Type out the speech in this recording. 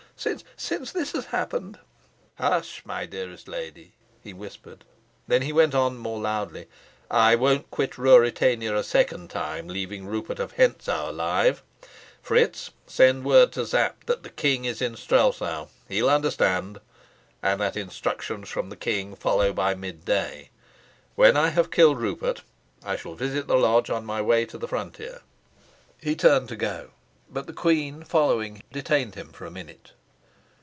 Since since this has happened " "Hush, my dearest lady," he whispered. Then he went on more loudly, "I won't quit Ruritania a second time leaving Rupert of Hentzau alive. Fritz, send word to Sapt that the king is in Strelsau he will understand and that instructions from the king will follow by midday. When I have killed Rupert, I shall visit the lodge on my way to the frontier." He turned to go, but the queen, following, detained him for a minute.